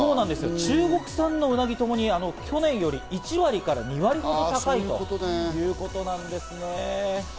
中国産のものとともに去年より１割から２割ほど高いということなんです。